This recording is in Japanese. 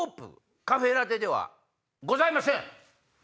カフェラテではございません。